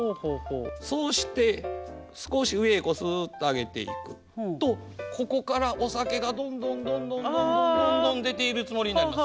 そうして少し上へすっと上げていくとここからお酒がどんどんどんどんどんどんどんどん出ているつもりになります。